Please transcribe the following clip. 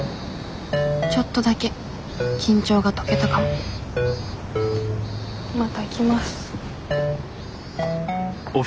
ちょっとだけ緊張が解けたかもまた来ます。